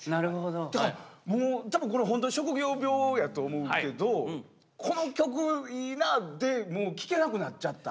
多分本当職業病やと思うけど「この曲いいな」で聴けなくなっちゃった。